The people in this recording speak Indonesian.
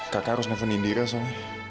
kakak harus nelfon indira soalnya